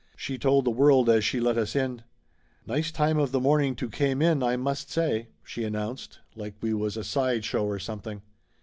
She told the world as she let us in. "Nice time of the morning to came in, I must say!" 146 Laughter Limited she announced like we was a side show or something.